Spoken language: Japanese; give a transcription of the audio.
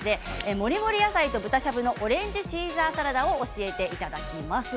もりもり野菜と豚しゃぶのオレンジシーザーサラダを教えていただきます。